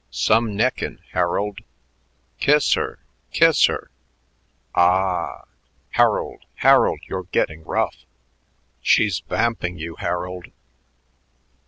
"Some neckin', Harold!"... "Kiss her! Kiss her! Ahhh!"... "Harold, Harold, you're getting rough!"... "She's vamping you, Harold!"...